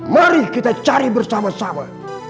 mari kita cari bersama sama